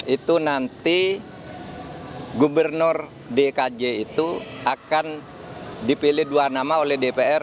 itu nanti gubernur dkj itu akan dipilih dua nama oleh dpr